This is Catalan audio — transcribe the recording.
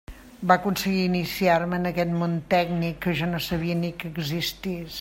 Va aconseguir iniciar-me en aquest món tècnic que jo no sabia ni que existís.